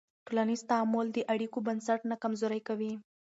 ټولنیز تعامل د اړیکو بنسټ نه کمزوری کوي.